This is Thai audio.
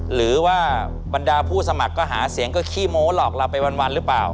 หรือว่าบรรดาผู้สมัครก็หาเสียงก็ขี้โม้หลอกเราไปวันหรือเปล่า